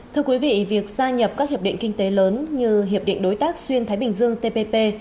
thưa quý vị việc gia nhập các hiệp định kinh tế lớn như hiệp định đối tác xuyên thái bình dương tpp